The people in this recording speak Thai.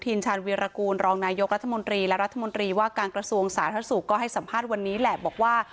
ชาญวีรกูลรองนายกรัฐมนตรีและรัฐมนตรีว่าการกระทรวงสาธารณสุขก็ให้สัมภาษณ์วันนี้แหละบอกว่า